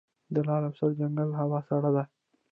د لعل او سرجنګل هوا سړه ده